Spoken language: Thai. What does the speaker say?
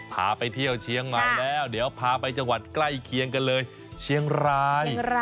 พาไปเที่ยวเชียงใหม่แล้วเดี๋ยวพาไปจังหวัดใกล้เคียงกันเลยเชียงราย